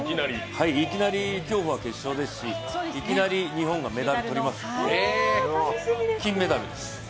いきなり競歩は決勝ですしいきなり日本がメダルを取ります、金メダルです。